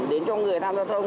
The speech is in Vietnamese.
đến cho người tham gia thông